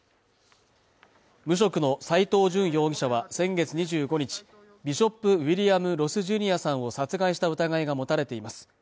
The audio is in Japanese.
無職の斉藤淳容疑者は先月２５日ビショップ・ウィリアム・ロス・ジュニアさんを殺害した疑いが持たれています